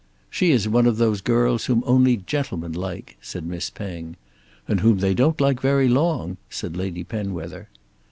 "She is one of those girls whom only gentlemen like," said Miss Penge. "And whom they don't like very long," said Lady Penwether.